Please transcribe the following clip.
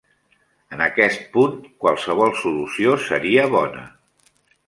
En aquest punt, qualsevol solució seria bona.